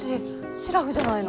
シラフじゃないの。